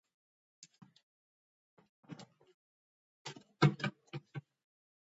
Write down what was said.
როდესაც ბომბი აფეთქდა ვერტმფრენი უზარმაზარი აფეთქების ტალღიდან ერთი კილომეტრით დაბლა დაეცა.